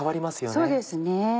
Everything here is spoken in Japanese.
そうですね。